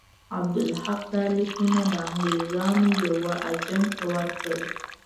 عبدالحق دا لیکونه د انګرېزانو یوه اجنټ ته ورکړل.